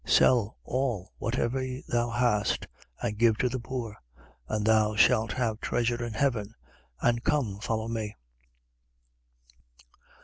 Sell all whatever thou hast and give to the poor: and thou shalt have treasure in heaven. And come, follow me.